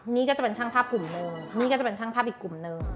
นี่ก็จะเป็นช่างภาพกลุ่มหนึ่งนี่ก็จะเป็นช่างภาพอีกกลุ่มหนึ่ง